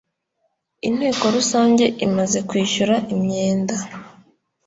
inteko rusange imaze kwishyura imyenda